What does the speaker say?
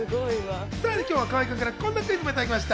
さらに今日は河合君からこんなクイズもいただきました。